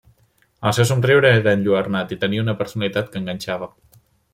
El seu somriure era enlluernant i tenia una personalitat que enganxava.